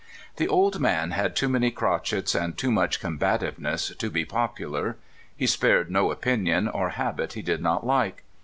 The old man had too many crotchets and too much combativeness to be popular. He spared no opinion or habit he did not like.